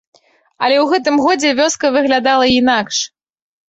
Але ў гэтым годзе вёска выглядала інакш.